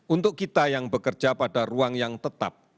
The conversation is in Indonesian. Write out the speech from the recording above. untuk kita yang bekerja pada ruang yang tetap